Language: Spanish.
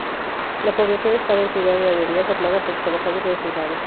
La población estaba en su gran mayoría formada por trabajadores rurales.